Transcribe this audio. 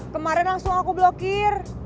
kemarin langsung aku blokir